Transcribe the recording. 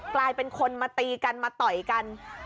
กลายเป็นคนมาตีกันมาต่อยกัน